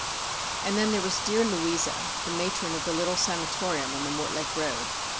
And then there was dear Louisa, the matron of the little sanatorium on the Mortlake road.